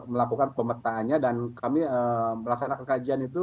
kami telah melakukan pemetaannya dan kami melaksanakan kajian itu